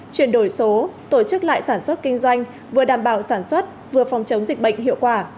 chuyển đổi số tổ chức lại sản xuất kinh doanh vừa đảm bảo sản xuất vừa phòng chống dịch bệnh hiệu quả